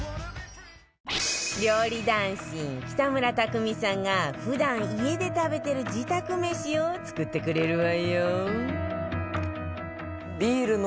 料理男子北村匠海さんが普段家で食べてる自宅めしを作ってくれるわよ